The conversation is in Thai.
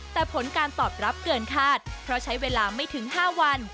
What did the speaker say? แต่ผลการตอบรับเกินคาดเพราะใช้เวลาไม่ถึง๕วัน